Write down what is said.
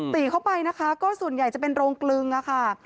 ติเข้าไปนะคะก็ส่วนใหญ่จะเป็นโรงกลึงค่ะ